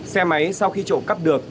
xe máy sau khi trộm cắp được